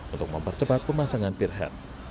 untuk mempercepat pemasangan pirhat